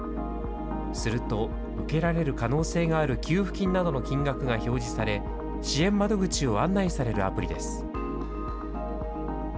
すると受けられる可能性がある給付金などの金額が表示され、支援窓口を案内されるアプリです。